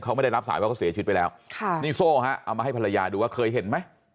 เขาไม่ได้รับสายว่าเขาเสียชีวิตไปแล้วค่ะนี่โซ่ฮะเอามาให้ภรรยาดูว่าเคยเห็นไหม